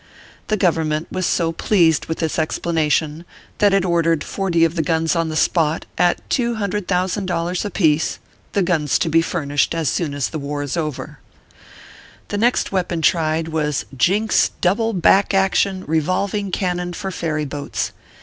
The Govern , ment was so pleased with this explanation, that it ordered forty of the guns on the spot, at two hundred thousand dollars apiece. The guns to be furnished as soon as the war is over. ORPHEUS C. KERR PAPERS. 85 The next weapon tried was Jink s double back action revolving cannon for ferry boats.